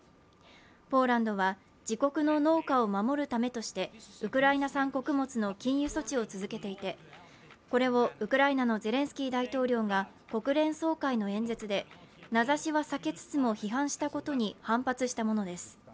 ポーランドは自国の農家を守るためとして、ウクライナ産穀物の禁輸措置を続けていてこれをウクライナのゼレンスキー大統領が国連総会の演説で名指しは避けつつも批判したことに反発したものです。